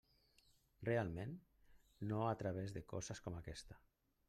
Realment, no a través de coses com aquesta.